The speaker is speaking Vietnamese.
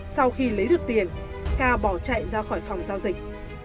sau khi lấy được tiền ca bỏ chạy ra khỏi phòng giao dịch